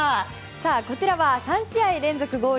こちらは３試合連続ゴール